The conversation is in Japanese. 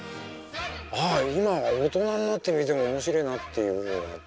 ああ今大人になって見ても面白いなっていう面があって。